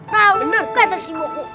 kau nggak tersimukuh